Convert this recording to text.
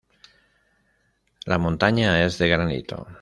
La montaña es de granito.